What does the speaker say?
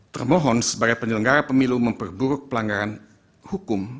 termohon sebagai penyelenggara pemilu memperburuk pelanggaran hukum